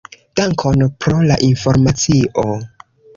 Dankon pro la informacio.